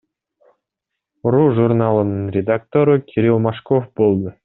ру журналынын редактору Кирилл Мошков болду.